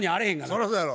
そらそうやろ。